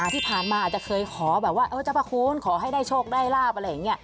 ที่ผ่านมาอาจจะเคยขอแบบว่าเจ้าพระคุณขอให้ได้โชคได้ลาบอะไรอย่างนี้